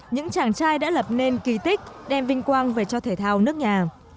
những chàng trai đã lập nên kỳ tích đem vinh quang về cho thể thao nước nhà